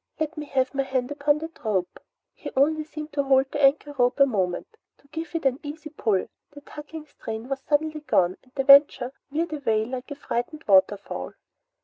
"Let me have my hand upon that rope!" He only seemed to hold the anchor rope a moment and give it an easy pull. The tugging strain was suddenly gone and the Venture veered away like a frightened waterfowl.